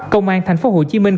công an thành phố hồ chí minh